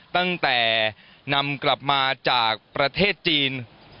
ตั้งแต่นำกลับมาจากประเทศจีน